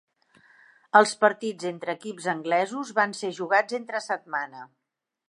Els partits entre equips anglesos van ser jugats entre setmana.